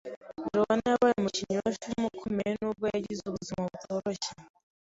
Joan yabaye umukinnyi wa filime ukomeye nubwo yagize ubuzima butoroshye.